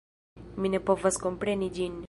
Mi ne povas kompreni ĝin!